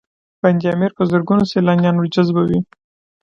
بند امیر په زرګونه سیلانیان ورجذبوي